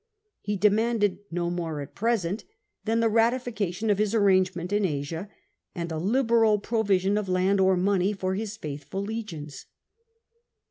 He demanded no more at present than 26:2 POMPEY the ratification of his arrangement in Asia, and a liberal proTision of land or money for his faithful legions.